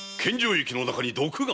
雪の中に毒が？